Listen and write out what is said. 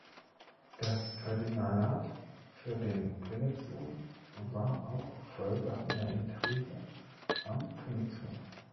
Das Kardinalat für den Königssohn war auch Folge einer Intrige am Königshof.